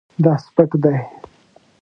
دا سپک دی